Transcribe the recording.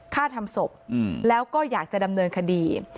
ฆ่าทำศพแล้วก็อยากจะดำเนินคดี